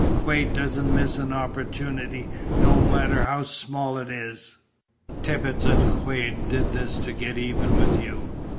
Quade doesn't miss an opportunity, no matter how small it is. Tibbits and Quade did this to get even with you.